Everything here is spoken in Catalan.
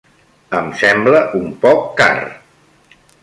Em sembla un poc car.